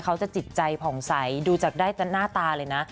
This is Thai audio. เขาจะจิตใจผ่องใสดูจากหน้าตาเลยนะ